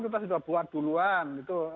kita sudah buat duluan